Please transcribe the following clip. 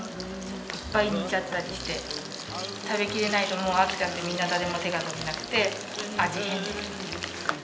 いっぱい煮ちゃったりして食べきれないともう飽きちゃってみんな誰も手が伸びなくて味変です。